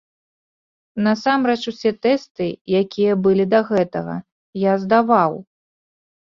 На сам рэч, усе тэсты, якія былі да гэтага, я здаваў.